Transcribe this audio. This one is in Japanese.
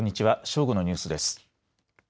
正午のニュースです。